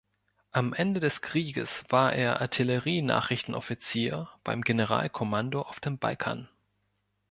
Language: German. Am Ende des Krieges war er Artillerie-Nachrichten-Offizier beim Generalkommando auf dem Balkan.